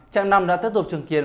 trạng năm đã tiếp tục chứng kiến